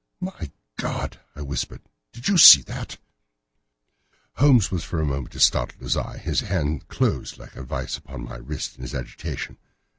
"My God!" I whispered; "did you see it?" Holmes was for the moment as startled as I. His hand closed like a vice upon my wrist in his agitation.